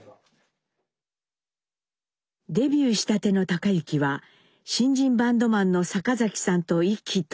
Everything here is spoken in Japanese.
デビューしたての隆之は新人バンドマンの坂崎さんと意気投合。